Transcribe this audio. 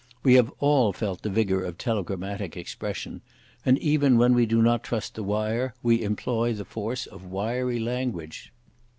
We have all felt the vigour of telegrammatic expression, and, even when we do not trust the wire, we employ the force of wiry language.